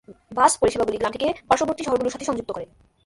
বাস পরিষেবাগুলি গ্রামটিকে পার্শ্ববর্তী শহরগুলির সাথে সংযুক্ত করে।